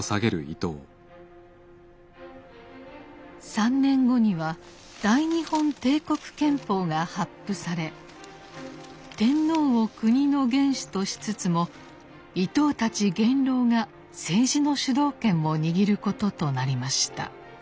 ３年後には大日本帝国憲法が発布され天皇を国の元首としつつも伊藤たち元老が政治の主導権を握ることとなりました。